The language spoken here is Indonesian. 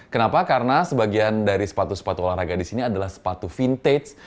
kenapa karena sebagian dari sepatu sepatu olahraga di sini adalah sepatu vintage